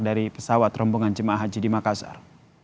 dari pesawat rombongan jemaah haji di makassar